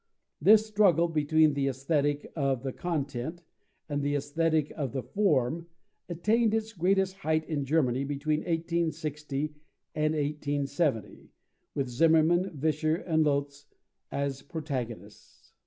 This struggle between the Aesthetic of the content and the Aesthetic of the form attained its greatest height in Germany between 1860 and 1870, with Zimmermann, Vischer, and Lotze as protagonists.